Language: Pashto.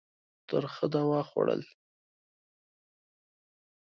ترخه دوا خوړل.